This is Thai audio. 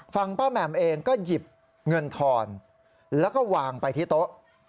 ป้าแหม่มเองก็หยิบเงินทอนแล้วก็วางไปที่โต๊ะ